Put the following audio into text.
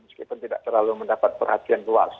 meskipun tidak terlalu mendapat perhatian luas